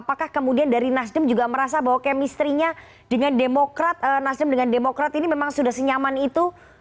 apakah kemungkinan dari nasdyem juga merasa bahwa chemistry nya dengan demokrat nasdyem dengan demokrat ini memang sudah senyaman itu